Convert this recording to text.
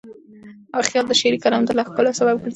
خیال د شعري کلام د لا ښکلا سبب ګرځي.